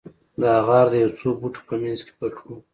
دا غار د یو څو بوټو په مینځ کې پټ و